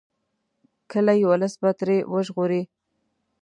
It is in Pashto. کلي ولس به ترې ژغوري.